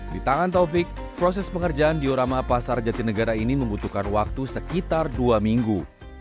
di tangan taufik proses pengerjaan diorama pasar jatinegara ini membutuhkan waktu sekitar dua minggu